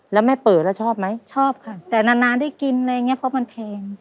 แล้วแม่เปิดแล้วชอบไหมชอบค่ะแต่นานนานได้กินอะไรอย่างเงี้เพราะมันแพง